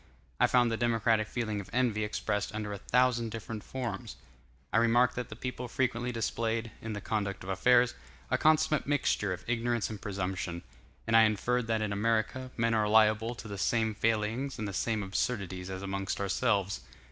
I found the democratic feeling of envy expressed under a thousand different forms. I remarked that the people frequently displayed, in the conduct of affairs, a consummate mixture of ignorance and presumption; and I inferred that in America, men are liable to the same failings and the same absurdities as amongst ourselves.